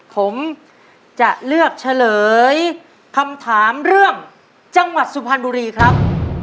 ผมจะเลือกเฉลยคำถามเรื่องจังหวัดสุพรรณบุรีครับ